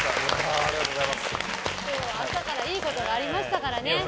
今日は朝からいいことがありましたからね。